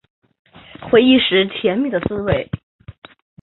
回忆时甜蜜的滋味